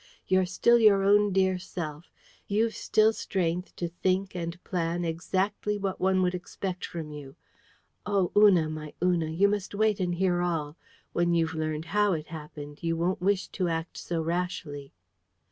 You're still your own dear self! You've still strength to think and plan exactly what one would expect from you. Oh! Una, my Una, you must wait and hear all. When you've learned HOW it happened, you won't wish to act so rashly."